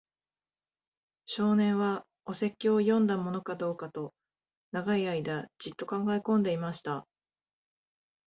少年は、お説教を読んだものかどうかと、長い間じっと考えこんでいました。